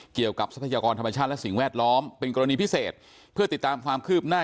ทรัพยากรธรรมชาติและสิ่งแวดล้อมเป็นกรณีพิเศษเพื่อติดตามความคืบหน้า